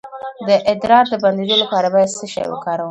د ادرار د بندیدو لپاره باید څه شی وکاروم؟